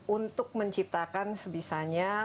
untuk menciptakan sebisanya